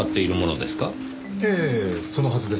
ええそのはずですが。